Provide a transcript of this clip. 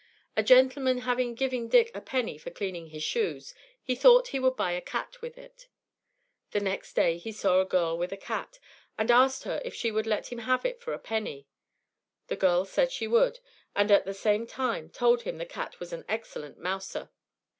A gentleman having given Dick a penny for cleaning his shoes, he thought he would buy a cat with it. The next day he saw a girl with a cat, and asked her if she would let him have it for a penny. The girl said she would, and at the same time told him the cat was an excellent mouser.